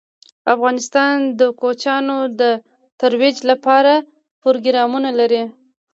افغانستان د کوچیان د ترویج لپاره پروګرامونه لري.